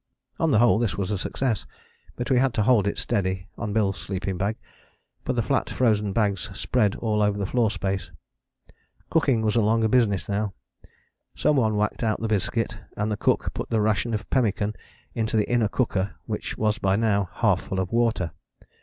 On the whole this was a success, but we had to hold it steady on Bill's sleeping bag, for the flat frozen bags spread all over the floor space. Cooking was a longer business now. Some one whacked out the biscuit, and the cook put the ration of pemmican into the inner cooker which was by now half full of water.